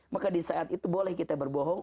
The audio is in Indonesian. maka disaat itu boleh kita berbohong